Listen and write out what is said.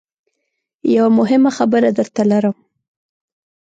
یوه مهمه خبره درته لرم .